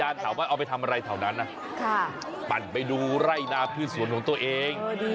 ว่ามอไซค์๕คันแต่จอดขวางอยู่ไม่ได้แจก